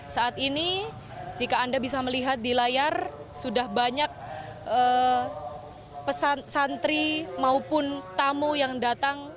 saat ini jika anda bisa melihat di layar sudah banyak santri maupun tamu yang datang